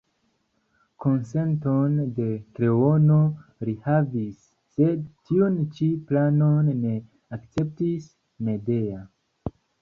Konsenton de Kreono li havis, sed tiun ĉi planon ne akceptis Medea.